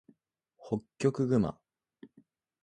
ホッキョクグマ